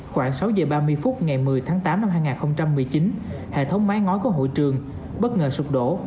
khoảng sáu giờ ba mươi phút ngày một mươi tháng tám năm hai nghìn một mươi chín hệ thống mái ngói của hội trường bất ngờ sụp đổ